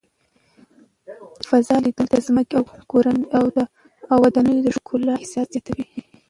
له فضا لیدل د ځمکې او ودانیو د ښکلا احساس زیاتوي.